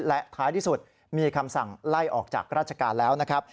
และท้ายที่สุดมีคำสั่งไล่ออกจากราชการแล้วนะครับ